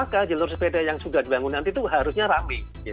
kalau itu berhasil maka jalur sepeda yang sudah dibangun nanti itu harusnya ramai